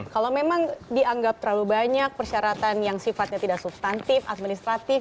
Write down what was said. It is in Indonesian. kalau memang dianggap terlalu banyak persyaratan yang sifatnya tidak substantif administratif